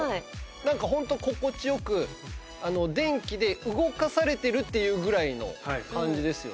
なんかホント心地良く電気で動かされてるっていうぐらいの感じですよね。